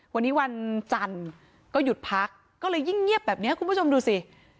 วันนี้วันจันทร์ก็หยุดพักก็เลยยิ่งเงียบแบบนี้คุณผู้ชมดูสิ